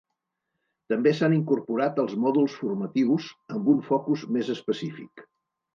També s'han incorporat els mòduls formatius, amb un focus més específic.